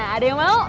ada yang mau